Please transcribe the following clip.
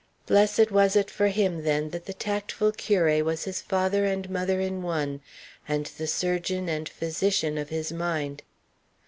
Blessed was it for him then that the tactful curé was his father and mother in one, and the surgeon and physician of his mind.